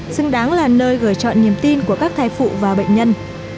xứng đáng là nơi gửi chọn niềm tin của các thai phụ và bệnh nhân